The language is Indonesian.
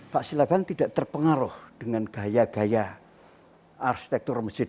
pak silaban tidak terpengaruh dengan gaya gaya arsitektur masjid